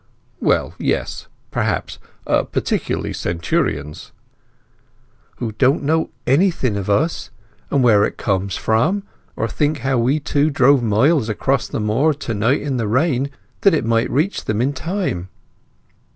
"Well, yes; perhaps; particularly centurions." "Who don't know anything of us, and where it comes from; or think how we two drove miles across the moor to night in the rain that it might reach 'em in time?"